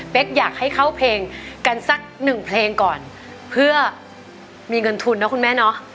เป็นอยากให้เข้าเพลงกันสักหนึ่งเพลงก่อนเพื่อมีเงินทุนนะคุณแม่เนาะ